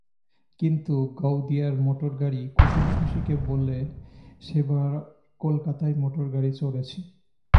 কিন্তু গাওদিয়ায় মোটরগাড়ি কুসুম শশীকে বলে, সেবার কলকাতায় মোটরগাড়ি চড়েছি।